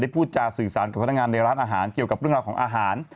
พูดจาสื่อสารกับพนักงานในร้านอาหารเกี่ยวกับเรื่องราวของอาหาร